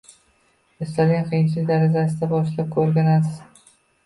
Istalgan qiyinchilik darajasidan boshlab o’rganasiz